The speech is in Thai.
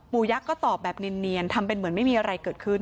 ยักษ์ก็ตอบแบบเนียนทำเป็นเหมือนไม่มีอะไรเกิดขึ้น